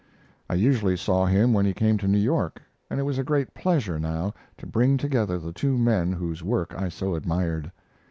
I usually saw him when he came to New York, and it was a great pleasure now to bring together the two men whose work I so admired.